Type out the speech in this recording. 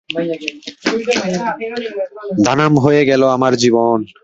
ধানাম হয়ে গেল আমার জীবন।